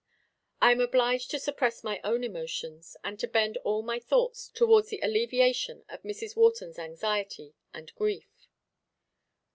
I am obliged to suppress my own emotions, and to bend all my thoughts towards the alleviation of Mrs. Wharton's anxiety and grief.